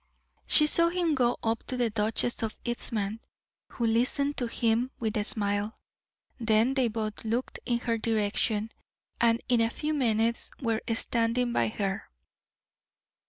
She saw him go up to the Duchess of Eastham, who listened to him with a smile, then they both looked in her direction, and in a few minutes were standing by her.